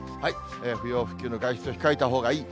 不要不急の外出を控えたほうがいい。